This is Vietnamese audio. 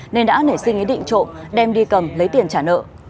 nên đã nể suy nghĩ định trộm đem đi cầm lấy tiền trả nợ